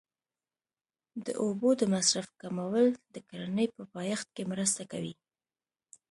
د اوبو د مصرف کمول د کرنې په پایښت کې مرسته کوي.